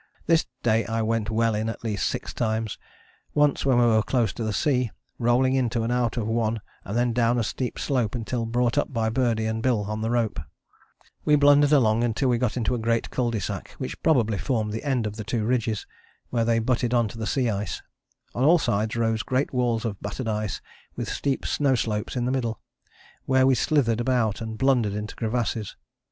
This day I went well in at least six times; once, when we were close to the sea, rolling into and out of one and then down a steep slope until brought up by Birdie and Bill on the rope. [Illustration: A PROCESSION OF EMPERORS] [Illustration: THE KNOLL BEHIND THE CLIFFS OF CAPE CROZIER] We blundered along until we got into a great cul de sac which probably formed the end of the two ridges, where they butted on to the sea ice. On all sides rose great walls of battered ice with steep snow slopes in the middle, where we slithered about and blundered into crevasses.